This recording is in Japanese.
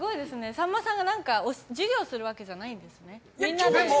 さんまさんが授業するわけじゃないんですね。